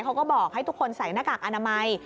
เขาก็บอกให้ทุกคนใส่หน้ากากอนามัย